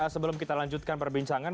sebelum kita lanjutkan perbincangan